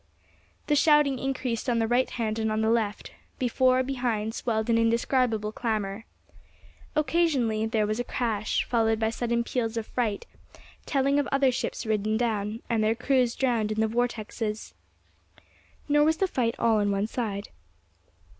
The shouting increased on the right hand and on the left; before, behind, swelled an indescribable clamor. Occasionally there was a crash, followed by sudden peals of fright, telling of other ships ridden down, and their crews drowned in the vortexes. Nor was the fight all on one side.